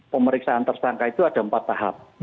pemeriksaan tersangka itu ada empat tahap